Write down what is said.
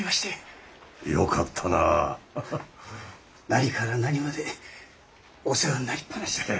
何から何までお世話になりっ放しで。